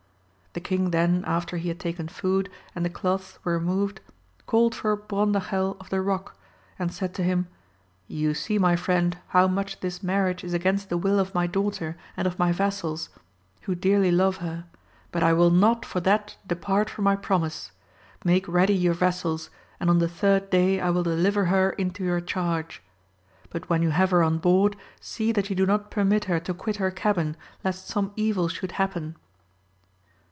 The king then after he had taken food, and the cloths were removed, called for Brondajel of the Eock, and said to him, You see my friend how much this mar riage is against the will of my daughter and of my vassals, who deariy love her, but I will not for that depart from my promise : make ready your vessels, and on tte third day I wiU deUver her into yonr charge ; but when you have her on board, see that ye do not permit her to quit her cabin, lest some evil should happen.